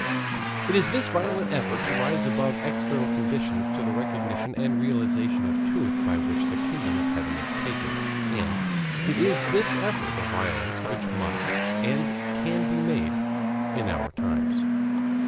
It is this violent effort to rise above external conditions to the recognition and realization of truth by which the kingdom of heaven is taken, and it is this effort of violence which must and can be made in our times.